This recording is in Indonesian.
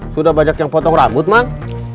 sudah banyak yang potong rambut bang